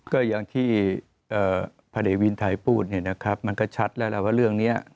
ก็อย่างที่พระเดียวินทรายพูดมันก็ชัดแรงว่าเรื่องนี้